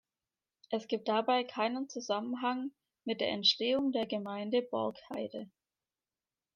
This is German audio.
Es gibt dabei keinen Zusammenhang mit der Entstehung der Gemeinde Borkheide.